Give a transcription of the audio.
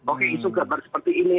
oke isu gambar seperti ini